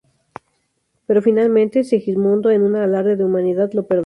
Pero finalmente, Segismundo en un alarde de humanidad lo perdona.